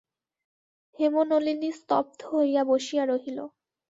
হেমনলিনী স্তব্ধ হইয়া বসিয়া রহিল।